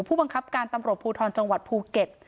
ผู้บังคับการตำรวจภูทรจังหวัดภูเก็ต